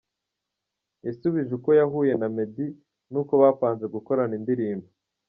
Yasubije uko yahuye na Meddy n’uko bapanze gukorana indirimbo.